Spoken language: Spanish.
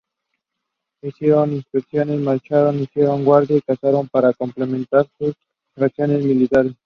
Hicieron inspecciones, marcharon, hicieron guardia y cazaron para complementar sus raciones militares.